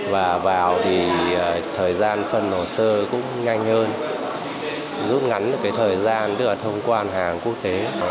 và vào thì thời gian phân hồ sơ cũng nhanh hơn rút ngắn được cái thời gian tức là thông quan hàng quốc tế